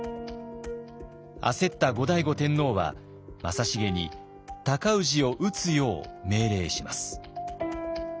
焦った後醍醐天皇は正成に尊氏を討つよう命令します。